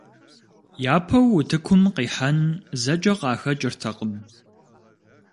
Япэу утыкум къихьэн зэкӀэ къахэкӀыртэкъым.